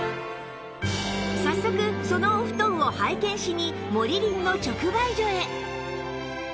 早速そのお布団を拝見しにモリリンの直売所へ